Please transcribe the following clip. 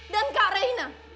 dan kak reina